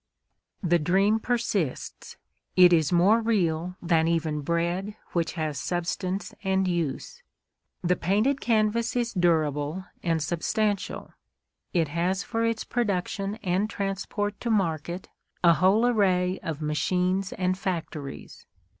The dream persists; it is more real than even bread which has substance and use. The painted canvas is durable and substantial; it has for its production and transport to market a whole array of machines and factories.